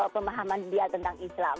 pemahaman dia tentang islam